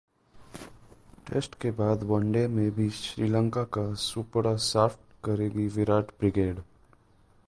test के बाद one day में भी श्रीलंका का सूपड़ा साफ करेगी विराट ब्रिगेड